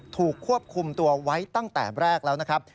ถูกควบคุมตัวไว้ตั้งแต่แรกแล้วนะครับ